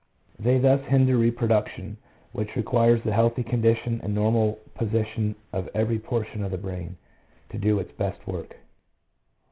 They thus hinder reproduction, which re quires the healthy condition and normal position of every portion of the brain to do its best work.